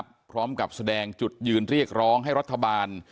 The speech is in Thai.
พร้อมกับแสดงจุดยืนเรียกร้องให้รัฐบาล